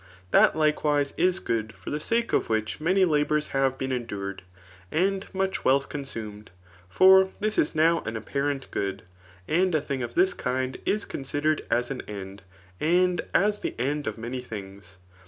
That, likewise, is good, for the sake of which many labours have been endured, and much wealth consumed ; for this is now an apparent good ; and a thing of this kind is considered as an end, and as the end of many things.